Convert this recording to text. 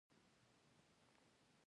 وزې له کوچنیانو نه بېلتون نه خوښوي